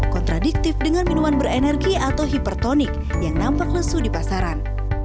kontradiktif dengan minuman berenergi atau hipertonik yang nampak lesu di pasaran